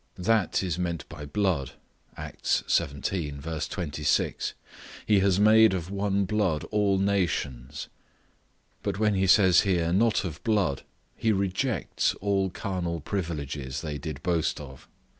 That is meant by blood, Acts xvii. 26, "He has made of one blood all nations." But when he says here, "not of blood," he rejects all carnal privileges they did boast of.